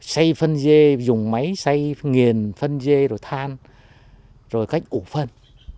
xây phân dê dùng máy xây nghiền phân dê rồi than rồi cách ủ phân